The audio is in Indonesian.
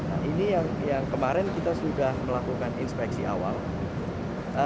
nah ini yang kemarin kita sudah melakukan inspeksi awal